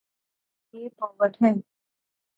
یے پاون ہے